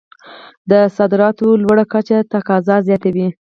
د صادراتو لوړه کچه تقاضا زیاتوي.